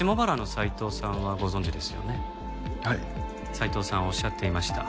斉藤さんおっしゃっていました。